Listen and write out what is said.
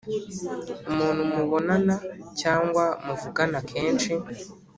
umuntu mubonana cyangwa muvugana kenshi."